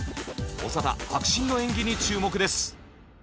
長田迫真の演技に注目です。